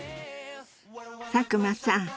佐久間さん